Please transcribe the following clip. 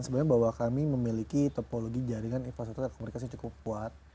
sebenarnya bahwa kami memiliki topologi jaringan infrastruktur telekomunikasi cukup kuat